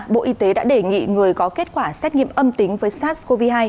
bộ y tế đã đề nghị người có kết quả xét nghiệm âm tính với sars cov hai